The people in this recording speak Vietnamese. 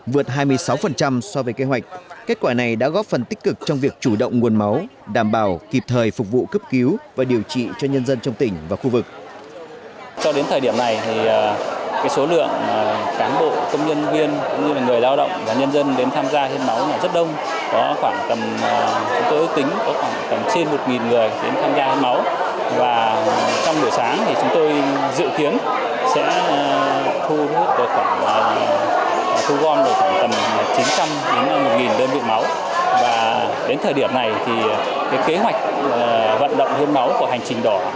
và đến thời điểm này thì kế hoạch vận động hên máu của hành trình đỏ hai nghìn một mươi bảy tại tỉnh bắc ninh đã vượt kế hoạch